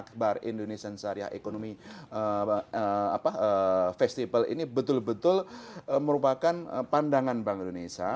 akbar indonesian syariah ekonomi festival ini betul betul merupakan pandangan bank indonesia